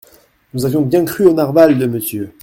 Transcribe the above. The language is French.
Nous avons bien cru au narwal de monsieur.